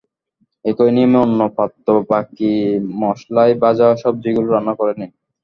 একই নিয়মে অন্য পাত্রে বাকি মসলায় ভাজা সবজিগুলো রান্না করে নিন।